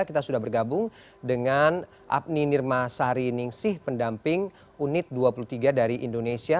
kita sudah bergabung dengan apni nirma sari ningsih pendamping unit dua puluh tiga dari indonesia